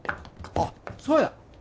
あっそうや！